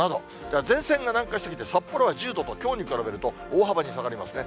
前線が南下してきて札幌は１０度と、きょうに比べると、大幅に下がりますね。